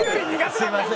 すいません。